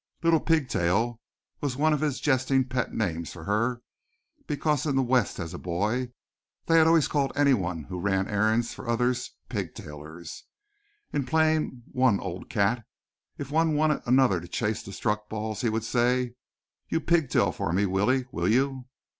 "Little Pigtail" was one of his jesting pet names for her because in the West as a boy they had always called anyone who ran errands for others a pigtailer. In playing "one old cat," if one wanted another to chase the struck balls he would say: "You pig tail for me, Willie, will you?"